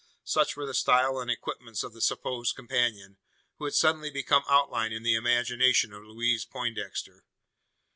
Such were the style and equipments of the supposed companion, who had suddenly become outlined in the imagination of Louise Poindexter.